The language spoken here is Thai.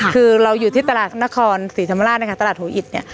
คือเราอยู่ที่ตลาดนครศรีธรรมราชตลาดโหอิส